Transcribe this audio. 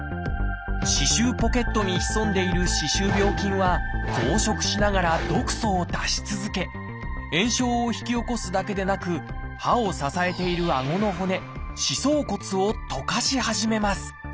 歯周ポケットに潜んでいる歯周病菌は増殖しながら毒素を出し続け炎症を引き起こすだけでなく歯を支えているあごの骨「歯槽骨」を溶かし始めます。